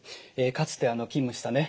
かつて勤務したね